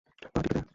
পা টিপে দে।